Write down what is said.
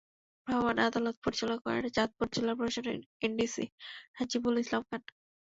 ভ্রাম্যমাণ আদালত পরিচালনা করেন চাঁদপুর জেলা প্রশাসনের এনডিসি রাজিবুল ইসলাম খান।